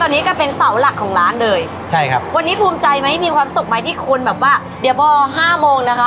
ตอนนี้ก็เป็นเสาหลักของร้านเลยใช่ครับวันนี้ภูมิใจไหมมีความสุขไหมที่คนแบบว่าเดี๋ยวพอห้าโมงนะคะ